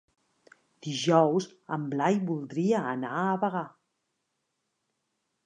Dijous en Blai voldria anar a Bagà.